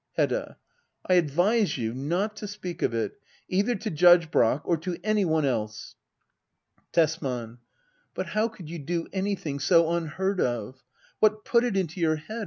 Hedda. I advise you not to speak of it — either to Judge Brack, or to any one else. Tesman. But how could you do anything so unheard of? What put it into your head ?